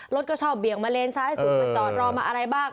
รถก็ชอบเบี่ยงมาเลนซ้ายสุดมาจอดรอมาอะไรบ้าง